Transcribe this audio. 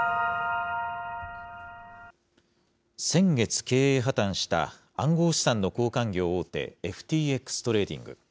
先月経営破綻した暗号資産の交換業大手、ＦＴＸトレーディング。